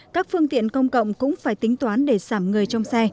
các phương tiện công cộng cũng phải tính toán để sảm người trong xe